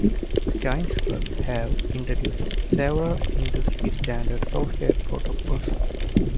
Steinberg have introduced several industry-standard software protocols.